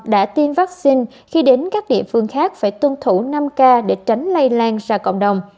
đã tiêm vaccine khi đến các địa phương khác phải tuân thủ năm k để tránh lây lan ra cộng đồng